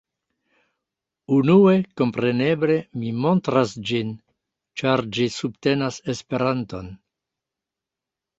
Unue, kompreneble mi montras ĝin ĉar ĝi subtenas Esperanton